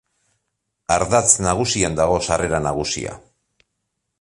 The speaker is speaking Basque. Ardatz nagusian dago sarrera nagusia.